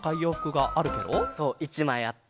そう１まいあって。